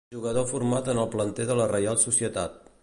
Jugador format en el planter de la Reial Societat.